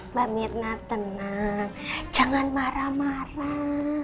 mbak mirna tenang jangan marah marah